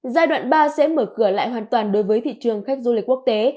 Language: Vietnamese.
giai đoạn ba sẽ mở cửa lại hoàn toàn đối với thị trường khách du lịch quốc tế